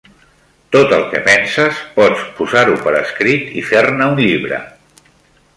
Tot el que penses pots posar-ho per escrit i fer-ne un llibre.